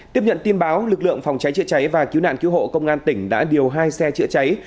tiếp nhận tin báo lực lượng phòng cháy chữa cháy và cứu nạn cứu hộ công an tỉnh đã điều hai xe chữa cháy